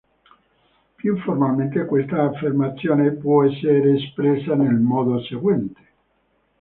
Più formalmente questa affermazione può essere espressa nel modo seguente.